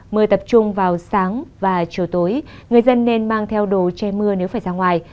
mưa tập trung vào sáng và chiều tối người dân nên mang theo đồ chơi mưa nếu phải ra ngoài